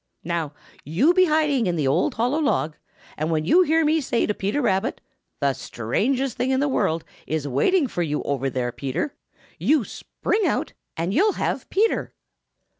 Now, you be hiding in the hollow log, and when you hear me say to Peter Rabbit, 'the strangest thing in the world is waiting for you over there, Peter,' you spring out, and you'll have Peter."